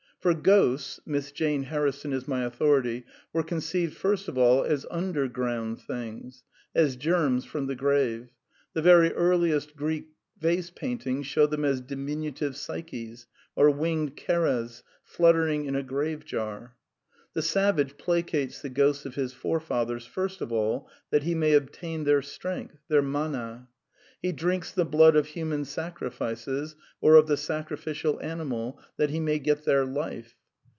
For ghosts (Miss Jane Harrison is my au thority) were conceived first of all as underground things, as " germs from the grave ";*^ the very earliest Greek vase paintings show them as diminutive psyches, or winged Keres fluttering in a grave jar. The savage placates the ghosts of his forefathers first of all that he may obtain their strength, their mana; he drinks the blood of human secrifices, or of the sacrificial animal, that he may get their life.